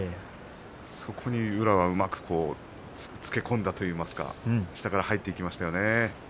そこに宇良はうまくつけ込んだといいますか下から入ってきましたね。